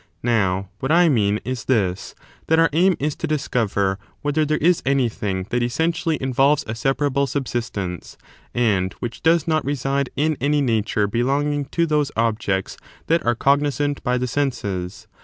Now, what I mean is this, that our aim is to discover whether there is anything that essentially involves a separable subsistence, and which does not reside in any nature belonging to those objects that are cognisant by the senses